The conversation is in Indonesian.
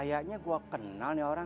dan dengan menjahit masa ini nemuan